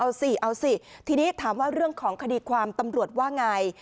เอาสิเอาสิทีนี้ถามว่าเรื่องของคดีความตำรวจว่าไง